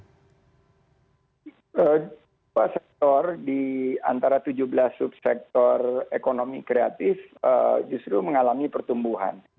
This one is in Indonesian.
sebuah sektor di antara tujuh belas subsektor ekonomi kreatif justru mengalami pertumbuhan